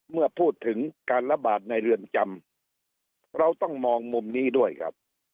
เมื่อพูดถึงการระบาดในเรือนจำเราต้องมองมุมนี้ด้วยครับ